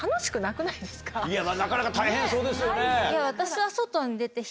なかなか大変そうですよね。